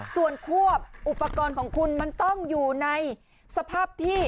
ส่วนควบอุปกรณ์ของคุณมันต้องอยู่ในสภาพที่